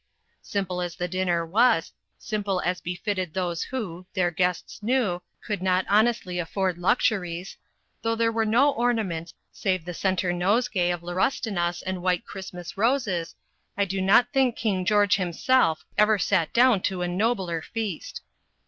Simple as the dinner was simple as befitted those who, their guests knew, could not honestly afford luxuries; though there were no ornaments, save the centre nosegay of laurustinus and white Christmas roses I do not think King George himself ever sat down to a nobler feast.